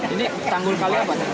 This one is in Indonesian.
ini tanggul apa